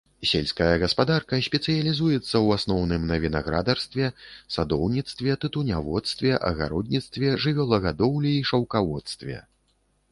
Сельская гаспадарка спецыялізуецца ў асноўным на вінаградарстве, садоўніцтве, тытуняводстве, агародніцтве, жывёлагадоўлі і шаўкаводстве.